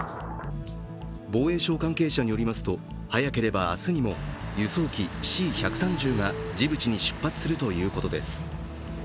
防衛省関係者によりますと早ければ明日にも輸送機Ｃ１３０がジブチに出発するということです。